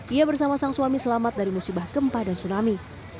ia bersama sang suami selamat dari musibah gempa dan tsunami